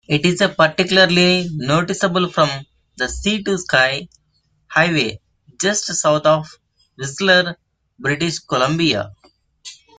It is particularly noticeable from the Sea-to-Sky Highway just south of Whistler, British Columbia.